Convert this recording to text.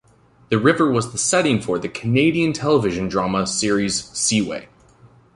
The river was the setting for the Canadian television drama series Seaway.